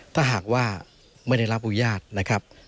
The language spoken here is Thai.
ถ้าหากว่าไม่ได้รับอนุญาตนะครับ